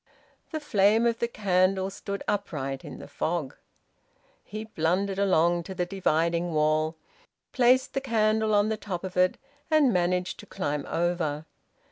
The flame of the candle stood upright in the fog. He blundered along to the dividing wall, placed the candle on the top of it, and managed to climb over.